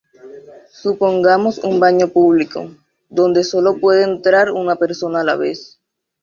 Supongamos un baño público, donde solo puede entrar una persona a la vez.